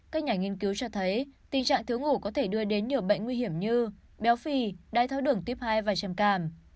các nhà nghiên cứu cho thấy tình trạng thiếu ngủ có thể đưa đến nhiều bệnh nguy hiểm như béo phì đai tháo đường tiếp hai và chèm càm